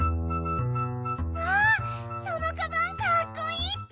わあそのカバンかっこいいッピ！